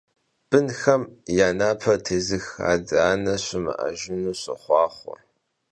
Bınxem ya naper têzıx ade - ane şımı'ejjınu soxhuaxhue!